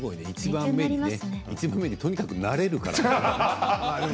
１番目にとにかく慣れると。